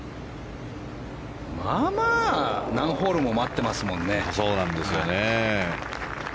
まあまあ何ホールも待ってますもんね。